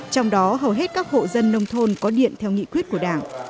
trong đó hầu hết các hộ dân nông thôn có điện theo nghị quyết của đảng